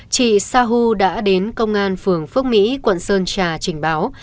chị sahu đã đến công an phường phước mỹ quận sơn trà trình báo